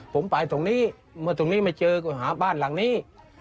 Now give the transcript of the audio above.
ผมไปตรงนี้เมื่อตรงนี้ไม่เจอก็หาบ้านหลังนี้